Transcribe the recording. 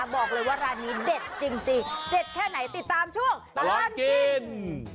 บอกเลยว่าร้านนี้เด็ดจริงเด็ดแค่ไหนติดตามช่วงตลอดกิน